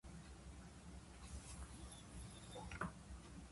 The area is home to noted folk artist Eldridge Bagley.